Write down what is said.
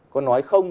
có nói không